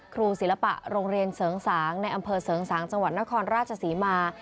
ครูศิลปะโรงเรียนเสริงสางในอำเภอเสริงสางจังหวัดนครราชศรีมา